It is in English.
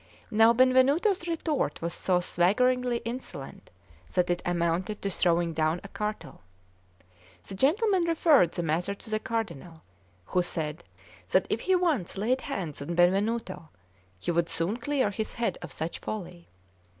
Now Benvenuto's retort was so swaggeringly insolent that it amounted to throwing down a cartel. The gentleman referred the matter to the Cardinal, who said that if he once laid hands on Benvenuto he would soon clear his head of such folly.